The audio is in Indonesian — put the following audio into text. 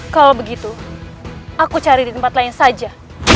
kalau begitu aku cari di tempat lain saja